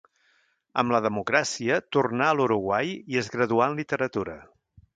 Amb la democràcia, tornà a l'Uruguai i es graduà en literatura.